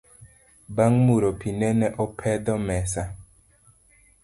Bang muro pii nene opedho mesa